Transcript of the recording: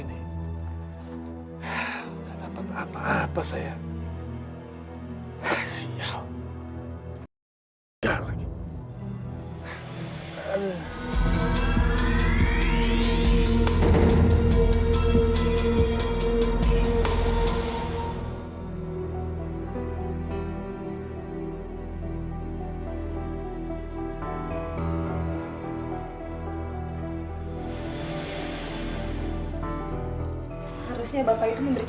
tidak boleh masuk masjid